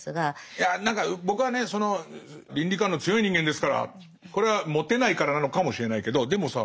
いや何か僕はねその倫理観の強い人間ですからこれはモテないからなのかもしれないけどでもさ